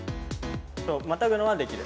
またぐのはできる。